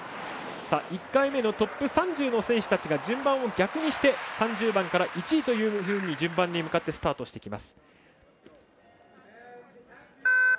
１回目のトップ３０の選手たちが順番を逆にして３０番から１位というふうに順番に向かってスタートしていきます。